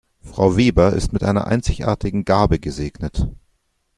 Frau Weber ist mit einer einzigartigen Gabe gesegnet.